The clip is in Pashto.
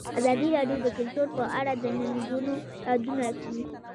ازادي راډیو د کلتور په اړه د ننګونو یادونه کړې.